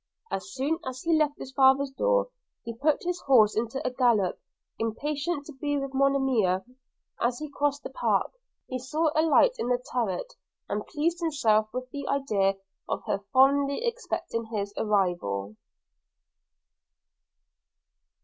As soon as he left his father's door, he put his horse into a gallop, impatient to be with Monimia; and as he crossed the park, he saw a light in her turret, and pleased himself with the idea of her fondly expecting his arrival.